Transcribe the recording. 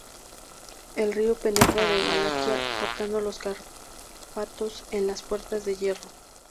El río penetra en Valaquia cortando los Cárpatos en las Puertas de Hierro.